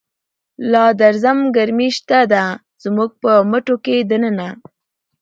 لا د رزم گرمی شته ده، زمونږ په مټو کی د ننه